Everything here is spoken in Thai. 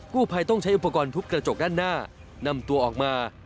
ผู้ภัยต้องใช้อุปกรณ์ทุบกระจกด้านหน้านำตัวออกมา